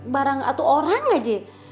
barang atau orang gak je